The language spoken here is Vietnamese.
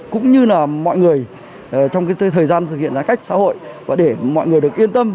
cũng như là mọi người trong thời gian thực hiện giãn cách xã hội và để mọi người được yên tâm